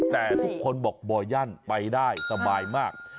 แต่ทุกคนบอกบ่อยั่นไปได้สบายมาก